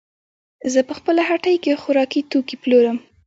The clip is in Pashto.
زه په خپله هټۍ کې خوراکي توکې پلورم.